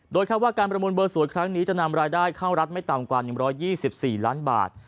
โดยคาดว่าการประมูลเบอร์สวยครั้งนี้จะนำรายได้เข้ารัฐไม่ต่ำกว่า๑๒๔ล้านบาท